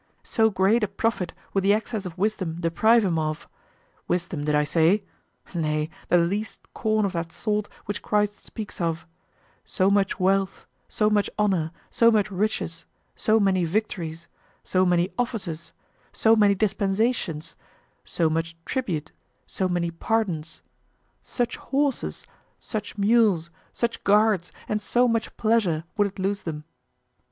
so great a profit would the access of wisdom deprive him of wisdom did I say? nay, the least corn of that salt which Christ speaks of: so much wealth, so much honor, so much riches, so many victories, so many offices, so many dispensations, so much tribute, so many pardons; such horses, such mules, such guards, and so much pleasure would it lose them.